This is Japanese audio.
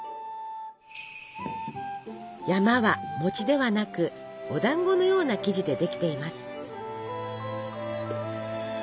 「山」は餅ではなくお団子のような生地でできています。